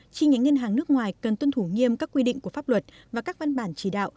chi nhánh ngân hàng nước ngoài cần tuân thủ nghiêm các quy định của pháp luật và các văn bản chỉ đạo